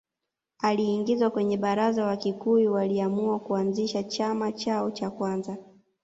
Aliingizwa kwenye Baraza Wakikuyu waliamua kuanzisha chama chao cha kwanza